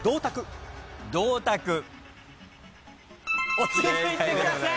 落ち着いてください。